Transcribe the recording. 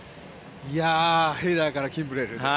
ヘイダーからキンブレル。